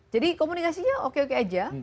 jadi komunikasinya oke oke saja